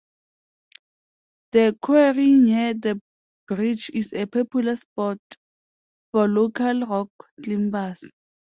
The quarry near the bridge is a popular spot for local rock climbers.